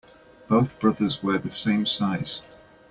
Both brothers wear the same size.